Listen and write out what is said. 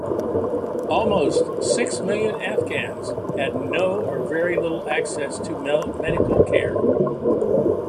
Almost six million Afghans had no or very little access to medical care.